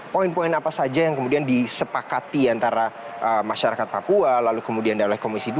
poin poin apa saja yang kemudian disepakati antara masyarakat papua lalu kemudian oleh komisi dua